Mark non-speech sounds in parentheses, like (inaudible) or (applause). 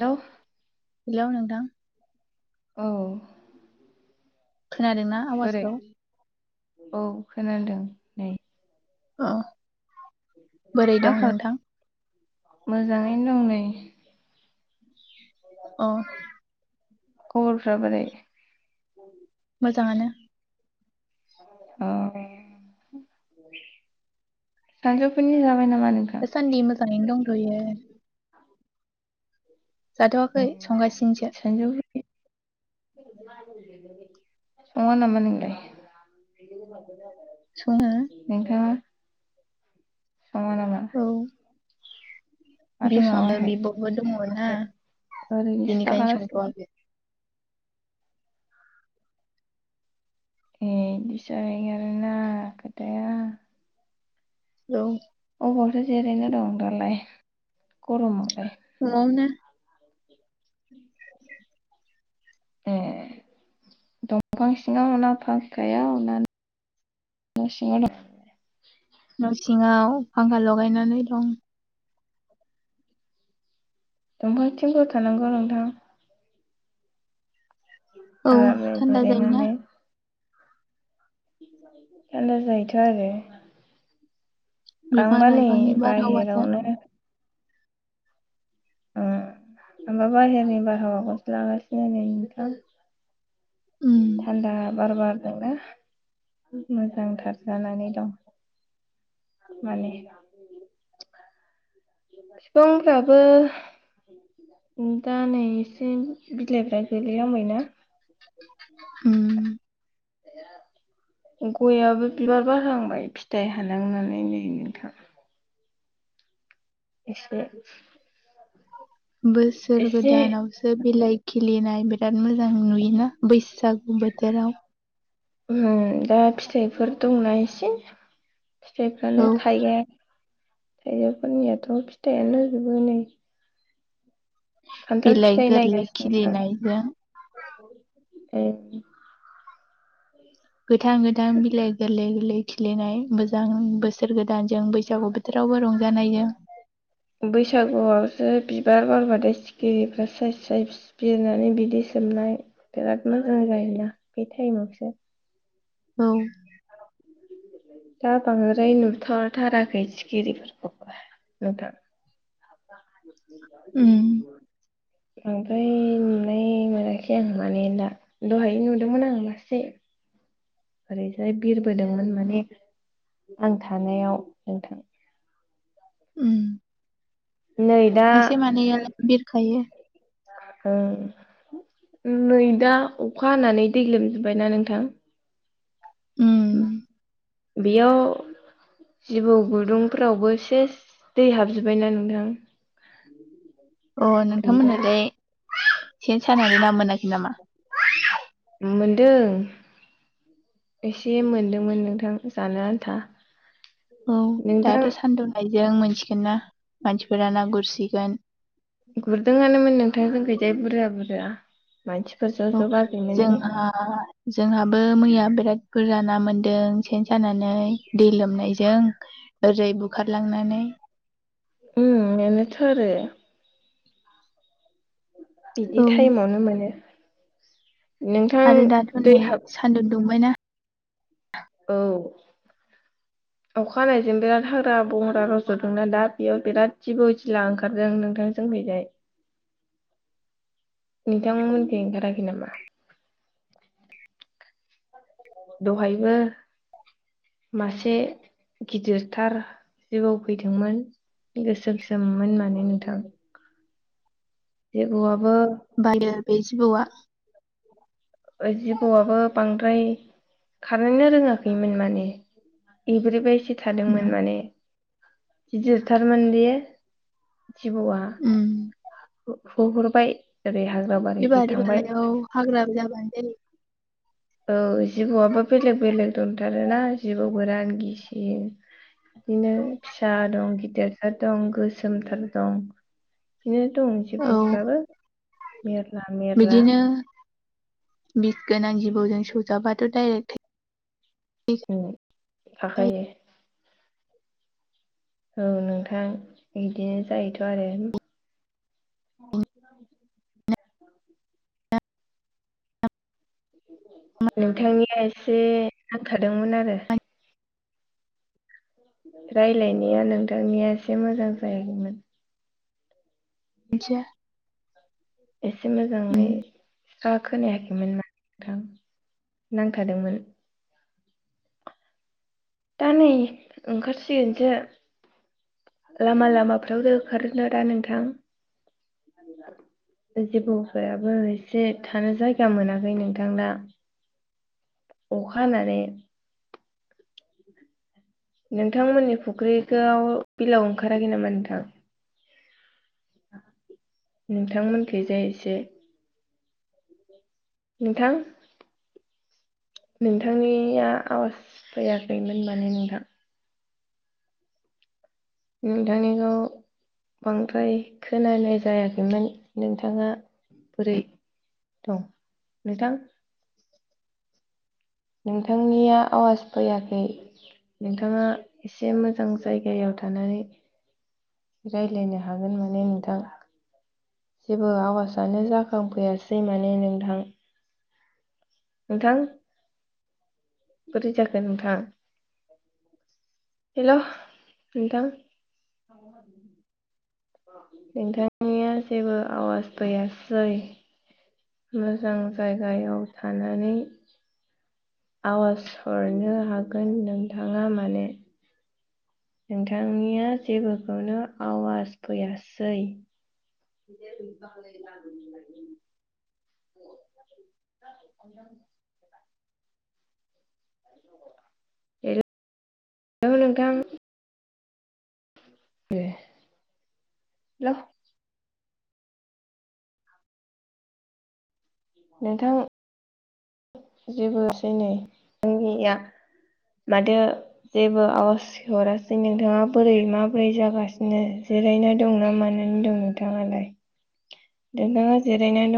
Hello hello नोंग। थां औ। खोनादोंना बोरै आवाजखौ? औ खोनादों नै ओ बोरै दं नोंथां। मोजांङैनो दं नै अह खबरफ्रा बोरै? दानो। अं सानजोफुनि ओ दासान्दि मोजाङैनो दं। ओइ ए जाथ'वाखै उम संगासिनोसो। सानजौफुनि सङा नामा नोंलाय। सङो नोंथांङा। नंगौ नामा। औ माथो बिमाबो सङाखै बिब'बो दङ ना ए ओरैनोसो बिनिखायनो थागासिनो संथ'वाखै। ए बिदि जायो आरो ना खोथाया। औ। अबावथो जिरायना दं दालाय। गरमावलाय न'आवनो ए दंफां सिंङाव ना फांखायाव ना न' सिङाव दं। न' सिङाव फांखा लगायनानै दं। दंफांथिंफोर थानांगौ नोंथां। औ आरो थान्दा जायोना जिरायनानै थान्दा जायोथ' आरो बिफां आंबा नै लाइफांनि बारहावाजों बाहेरावनो ओ होमबाबा हेमे बारहावाखौसो लागासिनो नै नोथां। उम थान्दा बार बारदोंं ना। मोजांथार जानानै दं माने। बिफांफ्राबो दा नै एसे बिलाइफ्रा गोलै आंबायना उम गययाबो बिबार बारहांबाय फिथाइ हानांनानै नै नोंथां एसे बोसोर एसे गोदानावसो बिलाइ खिलिनाय बिराद मोजां नुयोना बैसागु बोथोराव ओ दा फिथाइफोर दंना एसे फिथाइफ्रानो औ थाइगाया थाइजौफोरनियाथ' फिथाइयानो होजोबो नै खान्थाल बिलाइ फिथाइ गोरलै खिरिनायजों ए गोथां गोथां बिलाइ गोरलै गोरलै खिलिनाय मोजां बोसोर गोदानजों बैसागु बोथोरावबो रंजानायजों बैसागुआवसो बिबार बारबाथाय सिखिरिफ्रा साय साय बिरनानै बिदै सोमनाय बिराद मोजां जायोना बे टाइमावसो औ दा बांद्राय नुथ'थाराखै सिखिरिफोरखौ नोंथां उम बांद्राराय नुनाय मोनाखै आं माने दा दहाय नुदोंमोन आं मासे ओरैजाय बिरबोदोंमोन माने आं थानायाव नोंथां उम नै दा मासे मानैयालाय बिरखायो ओं नै दा अखा हानानै दै लोमजोबबायना नोंथां उम बेयाव जिबौ गुदुंफोरावबो सेस दै हाबजोबबायना नोंथां अ ओमफ्राय नोंथांमोनालाय सेन सानायनि ना मोनाखै नामा दों एसे मोनदोंमोन नोंथां जानो आन्था औ नोंथां दाथ' सान्दुं लाय जों मोनथिगोन ना मानसिफोरा ना गुरसिगोन गुरदोंआनोमोन नोंथां जोंखिजाय बुरजा बुरया औ जोंहा जोंहाबो मैया बिराद बुरजा ना मोन्दों सेन सानानै दै लोमनाय जों ओरै बुखारलांनानै उम मोनोथ आरो बिदि औ टाइमावनो मोनो (inaudible) नोंथां आरो दाथ' दै नै हाब सान्दुं दुंबायना औ अखा हानायजों बिराद हाग्रा बंग्रा रज'दोंना दा बेयाव बिराद जिबौ जिला ओंखारदों नोंथां जोंनिखैजाय नोंथांमोननिखै ओंखाराखै नामा? दहायबो मासे गिदिरथार जिबौ फैदोंमोन गोसोमसोममोन माने नोंथां। जिबोआ बायो बे जिबौवा जिबौआबो बांद्राय खारनो रोङाखैमोन माने एब्रेबायस थादोंमोन उम माने गिदिरथारमोन बे जिबौआ उम होहरबाय ओरैहाय बिरि बालायाव हाग्रा जागोन ए औ जिबौआबो बेलेग बेलेग दंथारो आरोना जिबआव गोरान गिसिन बिदिनो फिसा दं गिदिर थार दं गोसोमथार दं बिदिनो दं औ जिबुफ्राबो मेरला मेरला बिदिनो बिस गोनां जिबौजों सौजाबाथ' डाइरेक्टै ए उम, (unintelligible) थाखायो औ नोंथां बिदिनो जायोथ' आरो। नोंथांनिया एसे नांखादोंमोन आरो रायलायनाया नोंथांनिया एसे मोजां जायाखैमोन। मानसिया एसे मोजाङै उम था खोनायाखै नोंथां नांथादोंमोन। दा नै ओंखारसिगोनसो लामा लामाफ्रावथ ओंखारोन दा नोंथां जिबौफोराबो एसे थानो जायगा मोनाखै नोंथां दा अखा हानानै नोंथांमोननि फुख्रिखौ बिलाव ओंखाराखै नामा नोंथां नोंथांमोनखैजाय एसे नोंथां नोंथांनिया आवाज फैयाखैमोन माने नोंथां। नोंथांनिखौ बांद्राय खोनानाय जायाखैमोन नोंथाङा बोरै दं नोंथां। नोंथांनिया आवाज फैयाखै नोंथाङा एसे मोजां जायगायाव थानानै राय्लायनो हागोन माने नोंथां जेबो आवाजानो जाखांफैयाासै माने नोंथां। नोंथां बोरै जाखो नोंथां हेल' नोंथां नोंथांनिया जेबो आवाज फैयासै मोजां जायगायाव थानानै आवाज हरनो हागोन नोंथाङा माने। नोंथांनिया जेबोखौनो आवाज फैयासै (inaudible) ए हेल' नोंथां जोबोसै नै नोंनिया माथो जेबो आवज हरासै नोंथाङा बोरै माबोरै जागासिनो जिरायना दंना मानानै दं नोंथाङालाय नोंथाङा जिरायना दं।